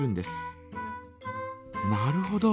なるほど。